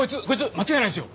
間違いないですよ！